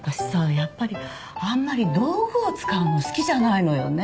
やっぱりあんまり道具を使うの好きじゃないのよね。